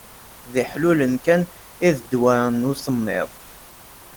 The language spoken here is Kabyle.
D iḥlulen kan i d ddwa n usemmiḍ.